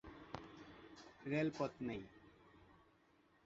Rail পথ নেই।